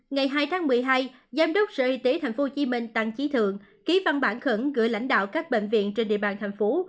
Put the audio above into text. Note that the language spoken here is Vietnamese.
ngày hai tháng một mươi hai giám đốc sở y tế tp hcm tăng trí thượng ký văn bản khẩn gửi lãnh đạo các bệnh viện trên địa bàn thành phố